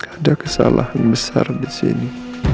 ada kesalahan besar di sini